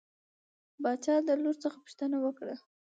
باچا د لور څخه پوښتنه وکړه.